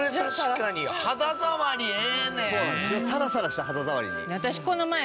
サラサラした肌触りに。